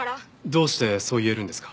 どうしてそう言えるんですか？